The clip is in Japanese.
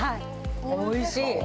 おいしい！